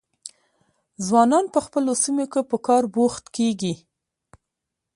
ځوانان په خپلو سیمو کې په کار بوخت کیږي.